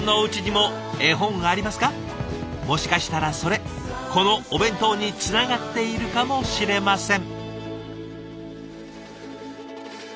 もしかしたらそれこのお弁当につながっているかもしれません。